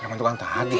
preman tukang tadi